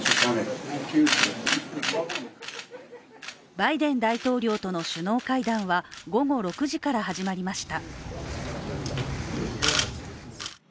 バイデン大統領との首脳会談は午後６時から始まりました。